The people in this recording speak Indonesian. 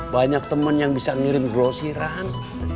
banyak temen yang bisa ngirim gelosiran